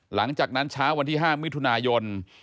หลังจากนั้นเช้าวันที่๕มิถุนายน